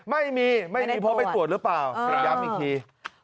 ไม่มีไม่มีเพราะไปตรวจหรือเปล่าย้ำอีกที